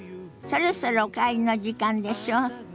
そろそろお帰りの時間でしょ？